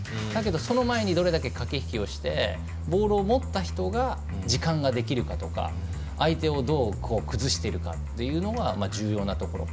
その前にどれだけ駆け引きをしてボールをも持った人が時間ができるかとか、相手をどう崩しているかっていうのは重要なところ。